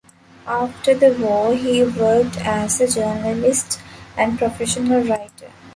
After the war he worked as a journalist and professional writer.